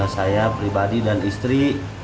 saya pribadi dan istri